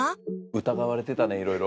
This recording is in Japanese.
疑われてたねいろいろ。